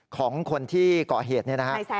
ของคนที่เกาะเหตุเนี่ยนะฮะ